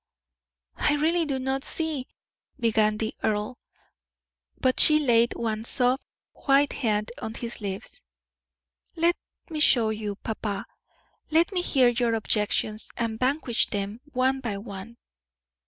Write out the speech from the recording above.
"I really do not see " began the earl; but she laid one soft, white hand on his lips. "Let me show you, papa. Let me hear your objections, and vanquish them one by one."